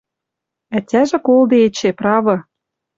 Ӓтяжӹ колде эче, правы.